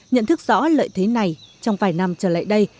nhận thức rõ lợi thế này trong vài năm trở lại đây